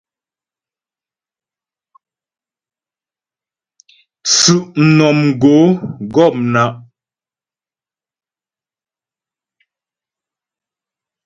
Tsʉ'mnɔmgǒ gɔ̂pnǎ'.